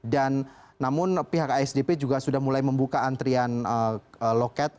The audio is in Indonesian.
dan namun pihak asdp juga sudah mulai membuka antrian loket